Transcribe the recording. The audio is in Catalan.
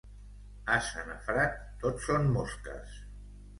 Ase nafrat, tot són mosques.